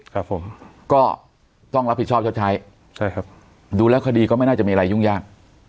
ครับผมก็ต้องรับผิดชอบชดใช้ใช่ครับดูแล้วคดีก็ไม่น่าจะมีอะไรยุ่งยาก